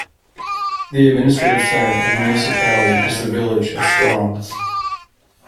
The administrative centre of the municipality is the village of Straume.